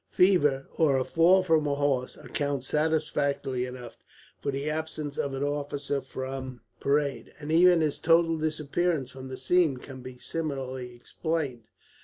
Fever, or a fall from a horse, account satisfactorily enough for the absence of an officer from parade, and even his total disappearance from the scene can be similarly explained.